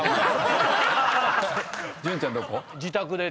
潤ちゃんどこ？